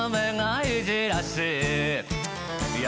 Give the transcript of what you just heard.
いや。